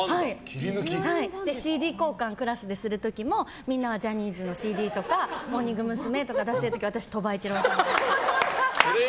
ＣＤ交換クラスでする時もみんなはジャニーズのＣＤとかモーニング娘。とか出してる時、私は鳥羽一郎さんを。